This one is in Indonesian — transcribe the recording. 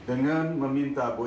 dengan meminta bu imas